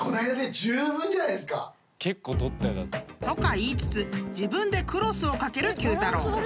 言いつつ自分でクロスを掛けるＱ太郎］